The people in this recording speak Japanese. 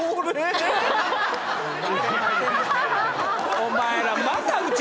お前ら。